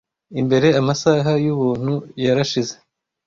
Imbere amasaha yubuntu yarashize,